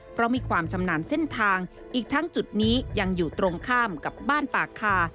เพราะมีความชำนาญเส้นทางอีกทั้งจุดนี้ยังอยู่ตรงข้ามกับบ้านปากคา